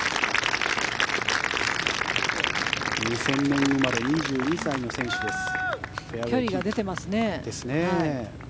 ２０００年生まれ２２歳の選手です。